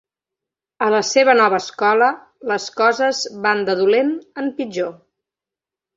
A la seva nova escola, les coses van de dolent en pitjor.